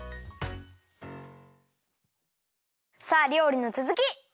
さありょうりのつづき！